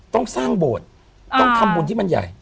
ต้องสร้างโบสถ์ต้องทำบุญที่มันใหญ่